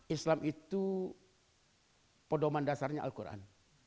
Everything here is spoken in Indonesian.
islam itu pedoman dasarnya al quran